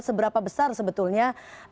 seberapa besar sebetulnya